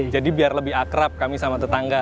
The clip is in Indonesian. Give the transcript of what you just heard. jadi biar lebih akrab kami sama tetangga